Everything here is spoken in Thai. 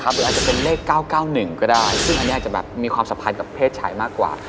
หรืออาจจะเป็นเลข๙๙๑ก็ได้ซึ่งอันนี้อาจจะแบบมีความสัมพันธ์กับเพศชายมากกว่า